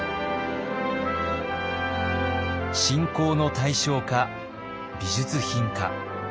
信仰の対象か美術品か。